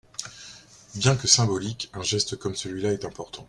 Bien que symbolique, un geste comme celui-là est important.